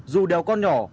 dù đeo con nhỏ